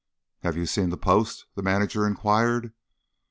"Have you seen the Post?" the manager inquired.